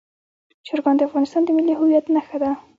چرګان د افغانستان د ملي هویت نښه ده.